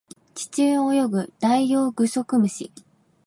地中を泳ぐダイオウグソクムシ